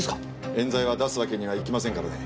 冤罪は出すわけにはいきませんからね。